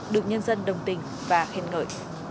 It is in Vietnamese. được nhân dân đồng tình và hình nợ